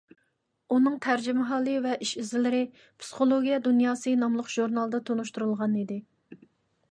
ئۇنىڭ تەرجىمىھالى ۋە ئىش-ئىزلىرى «پسىخولوگىيە دۇنياسى» ناملىق ژۇرنالدا تونۇشتۇرۇلغان ئىدى.